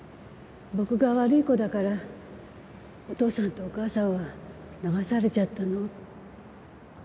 「僕が悪い子だからお父さんとお母さんは流されちゃったの？」。